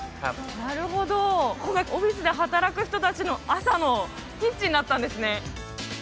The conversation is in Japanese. なるほどここがオフィスで働く人達の朝のキッチンだったんですね